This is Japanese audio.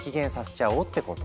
ちゃおうってこと。